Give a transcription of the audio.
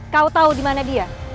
kau tahu dimana dia